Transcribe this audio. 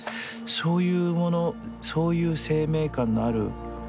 そういうものそういう生命観のある。